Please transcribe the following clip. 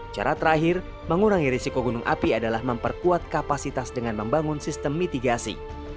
cara terakhir mengurangi risiko gunung api adalah memperkuat kapasitas dengan membangun sistem mitigasi